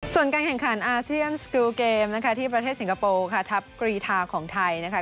ส่วนการแข่งขันอาเซียนสกิลเกมที่ประเทศสิงคโปร์ทัพกรีทาของไทย